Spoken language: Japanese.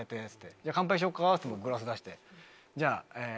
「じゃあ乾杯しようか」ってグラス出して。